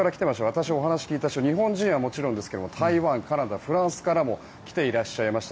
私、お話を聞いた人日本人はもちろんですが台湾、カナダ、フランスからも来ていらっしゃいました。